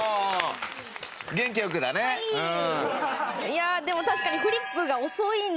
いやでも確かに。